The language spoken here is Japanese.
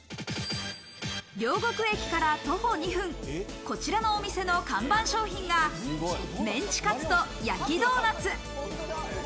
両国駅から徒歩２分、こちらのお店の看板商品がメンチカツと焼きドーナツ。